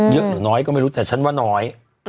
หรือน้อยก็ไม่รู้แต่ฉันว่าน้อย